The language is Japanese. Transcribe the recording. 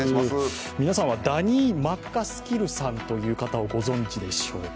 皆さんはダニー・マッカスキルさんという方をご存じでしょうか？